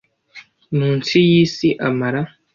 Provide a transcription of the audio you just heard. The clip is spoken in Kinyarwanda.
munsi y isi amara